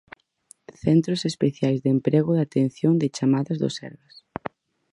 Centros especiais de emprego de atención de chamadas do Sergas.